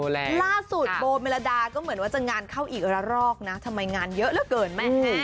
ล่าสุดโบเมลดาก็เหมือนว่าจะงานเข้าอีกละรอกนะทำไมงานเยอะเหลือเกินแม่